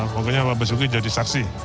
pokoknya pak basuki jadi saksi